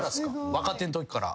若手のときから。